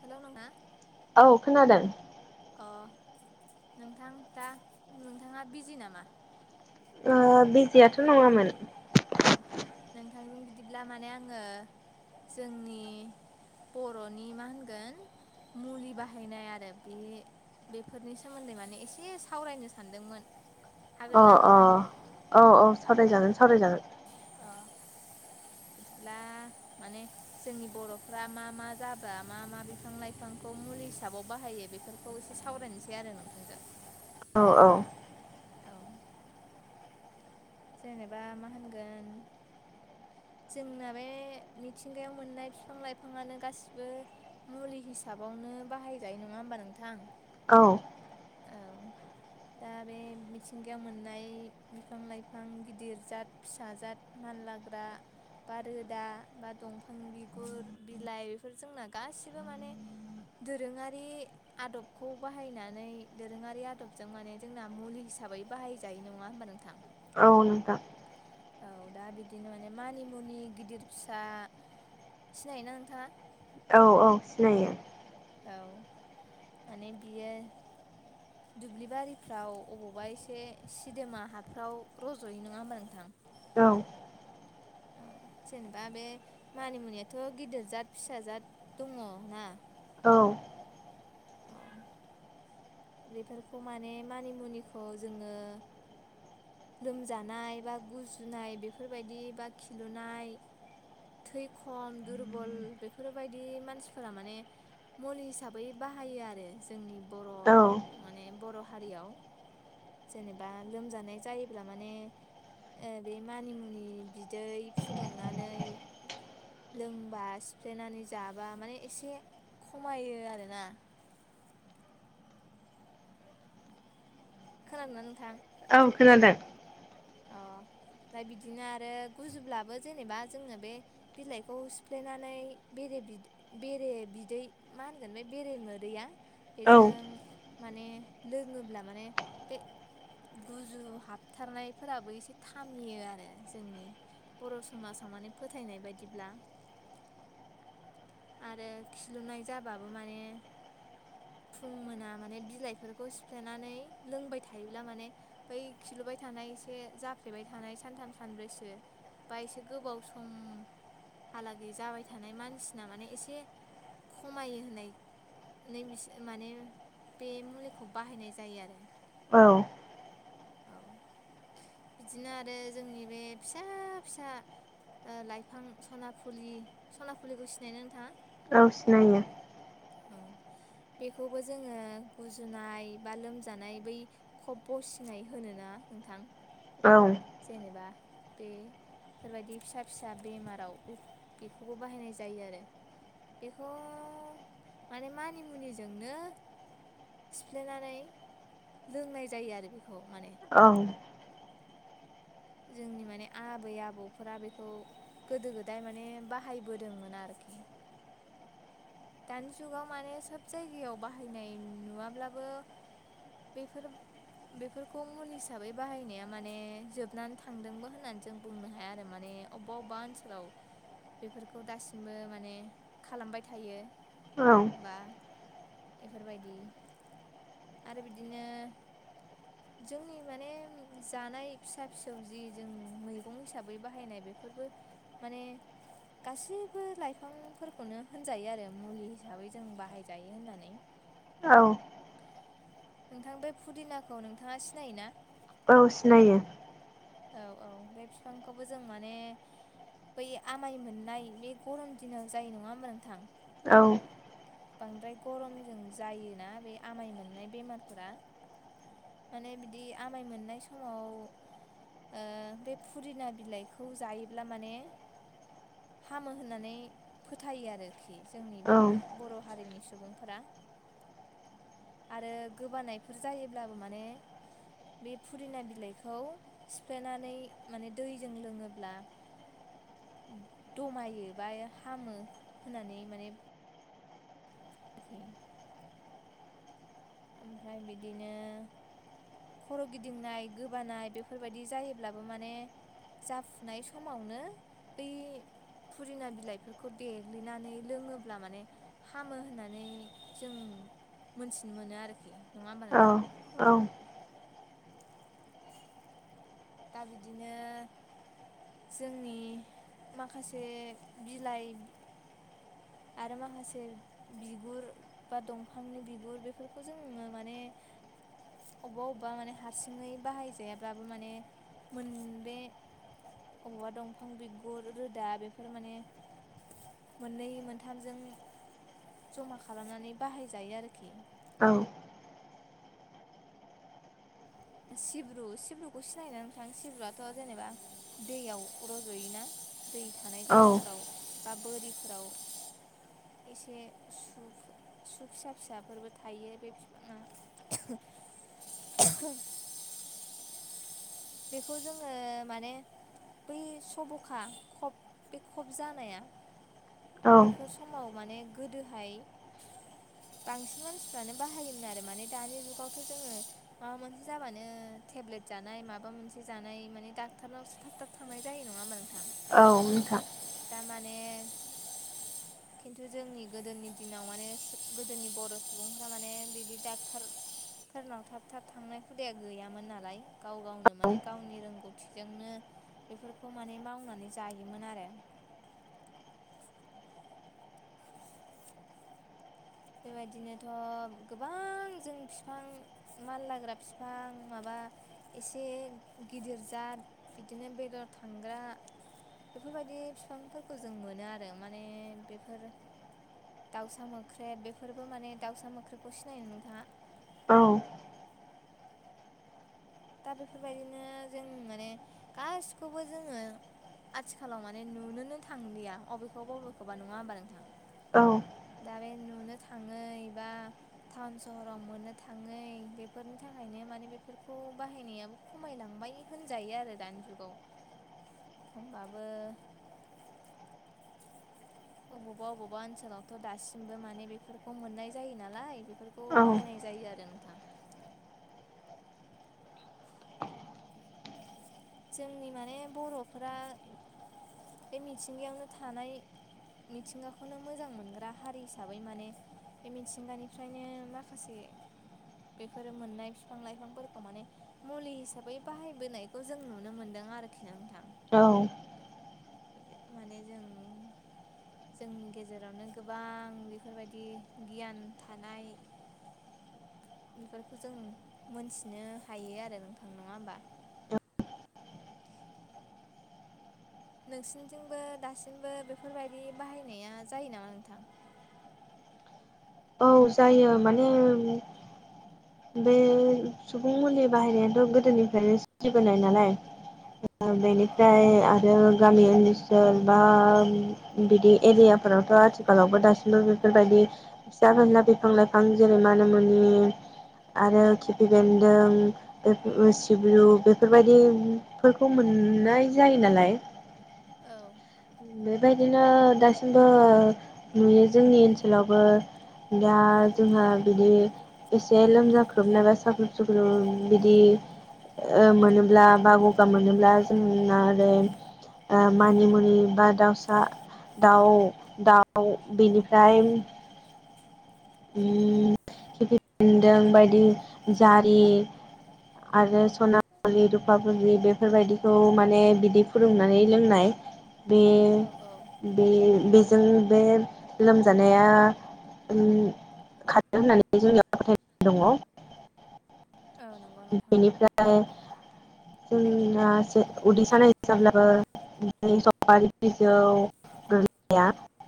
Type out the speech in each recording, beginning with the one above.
खोनादों ना औ खोनादों अ नोंथां दा नोंथाङा बिजि नामा बिजियाथ' नङामोन अ नोंथांजों बिदिब्ला माने आङो जोंनि बर'नि मा होनगोन मुलि बाहायनाय आरो बेनि बेफोरनि सोमोन्दै माने एसे सावरायनो सानदोंमोन हागोन अ ना अ नोंथां औ औ सावरायजागोन सावरायजागोन अ बिदिब्ला माने जोंनि बर'फ्रा मा मा जाबा मा मा बिफां लाइफां बिफांखौ मुलि हिसाबाव बाहायो बेफोरखौ एसे सावरायनोसै आरो नोंथांजों औ औ औ जेनेबा मा होनगोन जोंना बे मिथिंगायाव मोननाय बिफां लाइफाङानो गासिबो मुलि हिसाबावनो बाहायजायो नङा होमबा नोंथां औ औ दा बे मिथिंगायाव मोननाय बिफां लाइफां गिदिर जात फिसा जाथ मानलाग्रा बा रोदा बा दंफां बिगुर बिलाइ बेफोर जोंना गासिबो माने दोरोङारि आदबखौ बाहायनानै दोरोङारि आदबजों माने जोंना मुलि हिसाबै बाहायजायो नङा होमबा नोंथां औ नोंथां औ दा बिदिनो माने मानि मुनि गिदिर फिसा सिनायोना नोंथाङा औ औ सिनायो औ माने बियो दुब्लिबारिफ्राव अबावबा एसे सिदोमा हाफ्राव रज'यो नङा होमबा नोंथां औ औ जेनेबा बे मानि मुनियाथ' गिदिर जात फिसा जाद दङ ना औ [inaudible] बेफोरखौ माने मानिमुनिखौ जोङो लोमजानाय बा गुजुनाय बेफोरबायदि बा खिलुनाय थै खम दुरबल बेफोरबायदि मानसिफोरा माने मुलि हिसाबै बाहायो आरो जोंनि बर' औ माने बर' हारियाव जेनेबा लोमजानाय जायोब्ला माने ओ बे मानिमुनि बिदै फुदुंनानै लोंबा सिफ्लेनानै जाबा माने एसे खमायो आरोना खोनादोंना नोंथां? औ खोनादों अ ओमफ्राय बिदिनो आरो गुजुब्लाबो जेनेबा जोङो बे बिलाइखौ सिफ्लेनानै बेरे बि बेरे बिदै मा होनगोन बे बेरे मोदैया औ बेजों माने लोङोब्ला माने बे गुजु हाबथारनाय फोराबो एसे थामियो आरो जोंनि बर' समाजाव माने फोथायनाय बायदिब्ला आरो खिलुनाय जाबाबो माने फुं मोना माने बिलाइफोरखौ सिफ्लेनानै लोंबाय थायोब्ला माने बै खिलुबाय थानाय एसे जाफ्लेबाय थानाय सानथाम सानब्रैसो बा एसे गोबाव सम हालागै जाबाय थानाय मानसिना माने एसे खमायो होननाय नै बिसो माने बे मुलिखौ बाहायनाय जायो आरो औ औ बिदिनो आरो जोंनि बे फिसा फिसा ओ लाइफां सनाफुलि सनाफुलिखौ सिनायनो नोंथाङा? औ सिनायो औ बेखौबो जोङो गुजुनाय बा लोमजानाय बै खब्ब' सिनाय होनो ना नोंथां औ जेनेबा बे बेफोरबायदि फिसा फिसा बेमाराव बेखौबो बाहायनाय जायो आरो बेखौ माने मानि मुनिजोंनो सिफ्लेनानै लोंनाय जायो आरो बेखौ माने औ जोंनि माने आबै आबौफोरा बेखौ गोदो गोदाय माने बाहायबोदोंमोन आरोखि दानि जुगाव माने सोब जायगायाव बाहायनाय नुवाब्लाबो बेफोर बेफोरखौ मुलि हिसाबै बाहायनाया माने जोब नानै थांदोंबो होननानै जों बुंनो हाया आरो माने अबेबा अबेबा ओनसोलाव बेफोरखौ दासिमबो माने खालामबाय थायो औ बा बेफोरबायदि आरो बिदिनो जोंनि माने जानाय फिसा फिसौ जि जों मैगं हिसाबै बाहायनाय बेफोरबो माने गासिबो लाइफांफोरखौनो होनजायो आरो मुलि हिसाबै जों बाहायजायो होननानै [inaudible] औ नोंथां बे फुदिनाखौ नोंथाङा सिनायोना? औ सिनायो औ औ बे बिफांखौबो जों माने बै आमाय मोननाय बे गरम दिनाव जायो नङा होमबा नोंथां औ बांद्राय गरमजों जायोना बे आमाय मोननाय बेमारफोरा माने बिदि आमाय मोननाय समाव ओ बे फुरिना बिलाइखौ जायोब्ला माने हामो होननानै फोथायो आरोखि जोंनि बे औ बर' हारिनि सुबुं फोरा आरो गोबानायफोर जायोब्लाबो माने बे फुरिना बिलाइखौ सिफ्लेनानै माने दैजों लोङोब्ला दमायो बा हामो होननानै माने [unintelligible] ओमफ्राय बिदिनो खर' गिदिंनाय गोबानाय बेफोरबायदि जायोब्लाबो माने जाफुनाय समावनो बै फुरिना बिलाइफोरखौ देग्लिनानै लोङोब्ला माने हामो होननानै जों मोनथिनो मोनो आरोखि नङा होमबा औ नोंथां औ दा बिदिनो जोंनि माखासे बिलाइ आरो माखासे बिगुर बा दंफांनि बिगुर बेफोरखौ जोङो माने अबेबा अबेबा माने हारसिङै बाहायजायाब्लाबो माने मोन बे अबावबा दंफां बिगुर रोदा बेफोर माने मोननै मोनथा थामजों जमा खालामनानै बाहायजायो आरोखि औ सिब्रु सिब्रुखौ सिनायनो नोंथां सिब्रुआथ' जेनेबा दैयाव रज'योना दै थानाय औ जायगाफोराव बा बोरिफोराव एसे सु फिसा फिसाफोरबो थायो बे बिफाङा बेखौ जोङो माने बै सब'खा खब बे खब जानाया औ बेफोर समाव माने गोदोहाय बांसिन मानसिफ्रानो बाहायोमोन आरो माने दानि जुगावथ' जोङो माबा मोनसे जाबानो टेब्लेट जानाय माबा मोनसे जानाय माने डक्टारनावसो थाब थाब थांनाय जायो नङा होमबा नोंथां औ नोंथां दा माने खिन्थु जोंनि गोदोनि दिनाव माने गोदोनि बर' सुबुंफोरा माने बिदि डाक्टार फोरनाव थाब थाब थांनाय हुदाया गैयामोन नालाय गाव गावनो औ माने गावनि रोंगौथिजोंनो बेफोरखौ माने मावनानै जायोमोन आरो बेबायदिनोथ' गोबां जों फिफां मानलाग्रा फिफां माबा एसे गिदिर जा बिदिनो बेदर थांग्रा बेफोरबायदि फिफांफोरखौ जों मोनो आरो माने बेफोर दाउसा मोख्रेब बेफोरबो माने दाउसा मोख्रेबखौ सिनायोना नोंथाङा औ दा बेफोरबायदिनो जों माने गासिखौबो जोङो आथिखालाव माने नुनोनो थांलिया अबेखौबा बबेखौबा नङा होमबा नोंथां औ दा बे नुनो थांयै बा टाउन सहराव मोननो थाङै बेफोरनि थाखायनो माने बेफोरखौ बाहायनायाबो खमायलांबाय होनजायो आरो दानि जुगाव होमबाबो अबावबा अबावबा ओनसोलाव थ' दासिमबो माने बेफोरखौ मोननाय जायो नालाय बेफोरखौ औ बाहायनाय जायो आरो नोंथां जोंनि माने बर'फोरा बे मिथिंगायावनो थानाय मिथिंगाखौनो मोजां मोनग्रा हारि हिसाबै माने बे मिथिंगानिफ्रायनो माखासे बेफोर मोननाय फिफां लाइफांफोरखौ माने मुलि हिसाबै बाहायबोनायखौ जों नुनो मोनदों आरोखि नोंथां औ माने जों जोंनि गेजेरावनो गोबां बेफोरबायदि गियान थानाय बेफोरखौ जों मोनथिनो हायो आरो नोंथां नङा होमबा नोंसिनिथिंबो दासिमबो बेफोरबायदि बाहायनाया जायो नामा नोंथां औ जायो माने बे सुबुं मुलि बाहायनायाथ गोदोनिफ्रायनो सिलिबोनाय नालाय औ औ बेनिफ्राय आरो गामि ओनसो ल बा बिदि एरियाफोरावथ' आथिखालावबो दासिमबो बेफोरबायदि फिसा फिनला बिफां लाइफां जेरै माना मुनि आरो खिफि बेन्दों सिब्रु बेफोरबायदिफोरखौ मोननाय जायो नालाय औ बेबायदिनो दासिमबो नुयो जोंनि ओनसोलावबो दा जोंहा बिदि एसे लोम जाख्रुब नाबा साख्रुब सुख्रु बिदि मोनोब्ला बा गगा मोनोब्ला जोंना आरो ओ मानिमुनि बा दाउसा दाउ दाउ बेनिफ्राय उम खिफिबेनदों बायदि बिदिनो जारि आरो सना फुलि रुफा फुलि दि बेफोरबायदिखौ माने बिदै फोरुदुंनानै लोंनाय बे औ औ बे बेजों बे लोमजानाया खारो होननानै जोंनियाव फोथायनाय दंङ औ नंगौ नोंथां बेनिफ्राय जोंना उदै सानाय जाब्लाबो ओमफ्राय सफारि बिजौाया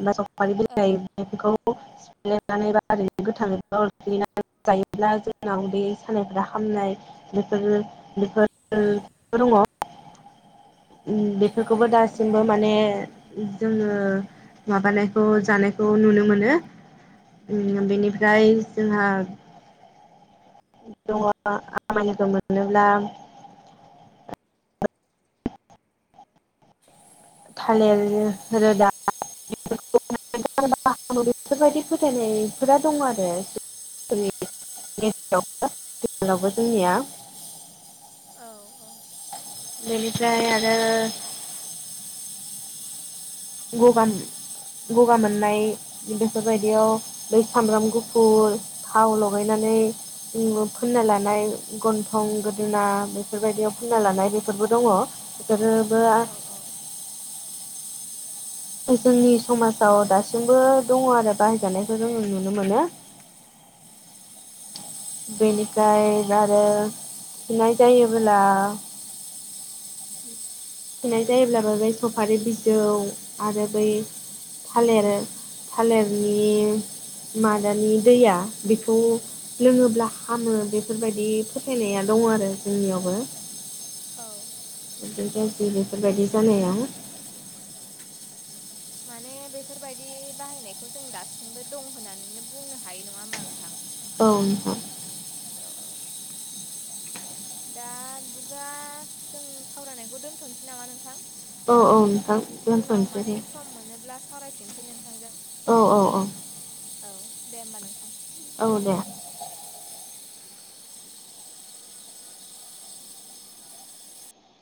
फ्राय सफारि बि औ जायो बेखौ सिफ्लेनानै बा ओरैनो गोथांयैनो जायोब्ला जोंनाव बे उदै सानायफ्रा हामनाय बेफोर बेफोर दंङो औ बेफोरखौबो औ दासिमबो माने जोंङो माबानायखौ जानायखौ नुनो मोनो बेनिफ्राय जोंहा दङ आमाय लोगो मोनोब्ला थालिर रोदा [unintelligible] [unintelligible] बेफोरबायदि फोथायनायफोरा दं आरो [unintelligible] गेजेरावबो जोंनिया औ-औ बेनिफ्राय आरो गगा मो गगा मोननाय बेफोरबायदियाव बै सामब्राम गुफुर थाव लगायनानै फोनना लानाय गन्थं गोदोना बेफोरबायदियाव फुनना लानाय बेफोरबो दंङो बेफोरोबो औ जोंनि समाजाव दासिमबो दंङो आरो बाहायजानायखौ जोंङो नुनो मोनो [inaudible] बेनिफ्राय आरो खिनाय जायोब्ला खिनाय जायोब्लाबो बै सफारि बिजौ आरो बै थालेर थालेरनि मादानि दैया बेखौ लोंङोब्ला हामो बेफोरबायदि फोथायनाया दङो आरो जोंनियावबो औ गाज्रि बेफोरबायदि जानायाव माने बेफोरबायदि बाहायनायखौ जों दासिमबो दं होननानैनो बुंनो हायो नङा होमबा नोंथां औ नोंथां औ दा बिदिबा जों सावरायनायखौ दोन्थ'नोसै नामा नोंथां औ औ नोंथां उनाव माने दोनथ'नोसै सम मोनोब्ला सावरायफिनसै नोंथांजों औ औ औ औ दे होमबा नोंथां औ दे